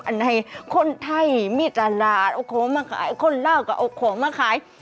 ให้คนไทยมีตลาดเอาของมาขายคนเหล้าก็เอาของมาขาย